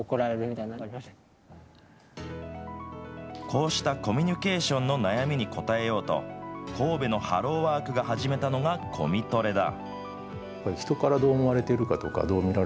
こうしたコミュニケーションの悩みに応えようと、神戸のハローワークが始めたのがコミトレだ。